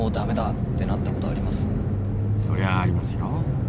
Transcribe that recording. そりゃありますよ。